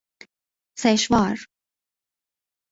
سشوار